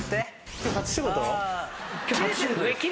今日初仕事です。